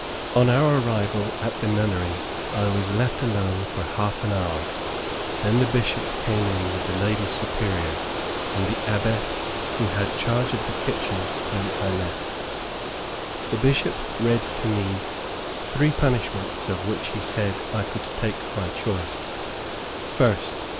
On our arrival at the Nunnery, I was left alone for half an hour. Then the Bishop came in with the Lady Superior, and the Abbess who had charge of the kitchen when I left. The Bishop read to me three punishments of which he said, I could take my choice. First.